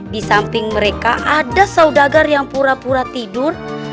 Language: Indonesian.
di samping mereka ada saudagar yang pura pura tidur